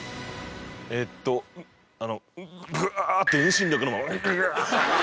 えっとあのグワーッて遠心力のままグワー。